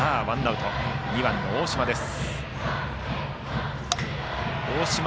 そして、２番の大島です。